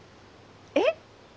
えっ？